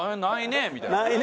ないねみたいな。